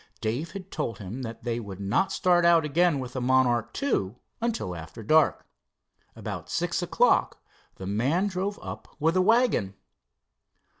Dave had told him that they would not start out again with the Monarch II until after dark. About six o'clock the man drove up with a wagon.